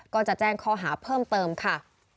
ก็จะแจ้งข้อหาเพิ่มเติมค่ะ